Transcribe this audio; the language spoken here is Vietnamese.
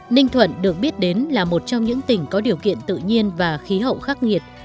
ninh thuận được biết đến là một trong những tỉnh có điều kiện tự nhiên và khí hậu khắc nghiệt